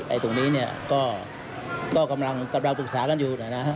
ตรงนี้เนี่ยก็กำลังปรึกษากันอยู่นะฮะ